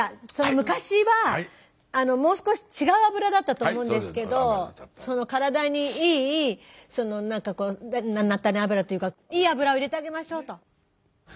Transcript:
昔はもう少し違う油だったと思うんですけど体にいいなんかこう菜種油っていうかいい油を入れてあげましょうと。